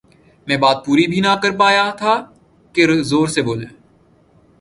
میں بات پوری بھی نہ کرپا یا تھا کہ زور سے بولے